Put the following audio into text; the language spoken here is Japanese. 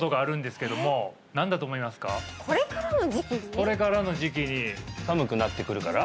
これからの時期に寒くなってくるから？